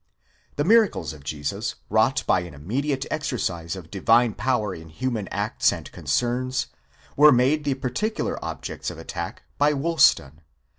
The miracles of Jesus, wrought by an immediate exercise of divine power, in human acts and concerns, were made the particular objects of attack by Woolston.